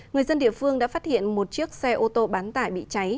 người dân địa phương đã phát hiện một chiếc xe ô tô bán tải bị cháy